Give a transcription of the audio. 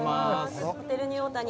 ホテルニューオータニ